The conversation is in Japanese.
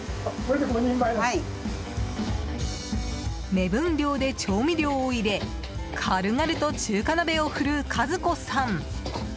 目分量で調味料を入れ軽々と中華鍋を振る和子さん。